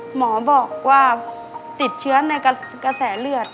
หมอบอกว่าติดเชื้อในกระแสเลือด